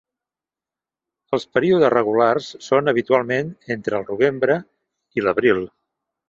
Els períodes regulars són habitualment entre el novembre i l'abril.